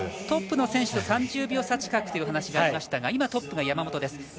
トップの選手と３０秒差近くという話がありましたが今、トップが山本です。